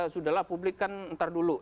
sudahlah publik kan ntar dulu